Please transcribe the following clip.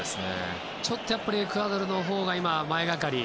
ちょっとエクアドルのほうが前がかり。